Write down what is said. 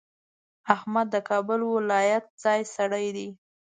احمد د کابل ولایت ځای سړی دی.